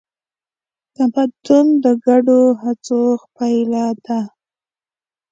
تمدن د ګډو هڅو پایله ده.